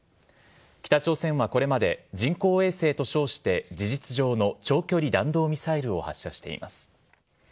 北朝鮮はこれまで人工衛星と称して事実上の長距離弾道ミサイルを発射しています。